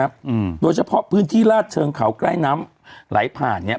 อืมโดยเฉพาะพื้นที่ลาดเชิงเขาใกล้น้ำไหลผ่านเนี้ย